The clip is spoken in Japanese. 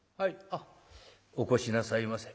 あっお越しなさいませ」。